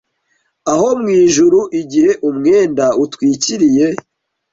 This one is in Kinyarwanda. Aho mu ijuru igihe umwenda utwikiriye